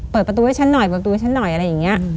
เปิดประตูให้ฉันหน่อยเปิดตัวให้ฉันหน่อยอะไรอย่างนี้